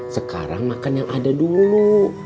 sekarang makan yang ada dulu